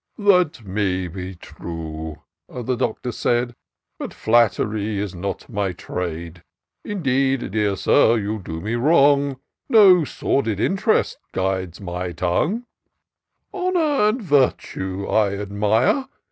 " That may be true," the Doctor said ;*' But flattery is not my trade. Indeed, dear Sir, you do me wrong ; No sordid interest guides my tongue : Honour and virtue I admire.